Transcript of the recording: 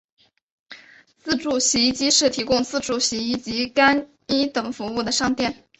自助洗衣店是提供自助洗衣及干衣等服务的商店。